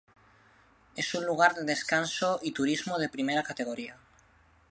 Es un lugar de descanso y turismo de primera categoría.